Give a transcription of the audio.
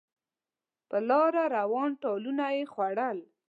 په لاره روان ټالونه یې خوړل